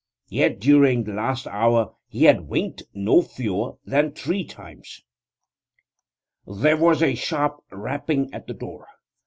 Yet during the last hour he had winked no fewer than three times. There was a sharp rapping at the door.